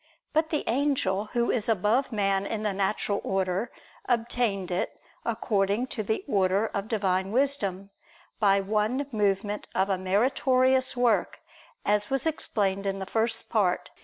But the angel, who is above man in the natural order, obtained it, according to the order of Divine wisdom, by one movement of a meritorious work, as was explained in the First Part (Q.